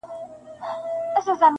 په کوم دلیل ورځې و میکدې ته قاسم یاره,